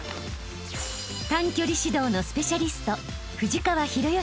［短距離指導のスペシャリスト］